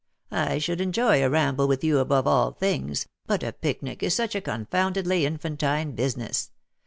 " I should enjoy a ramble with you above all things, but a picnic is such a confoundedly infantine business.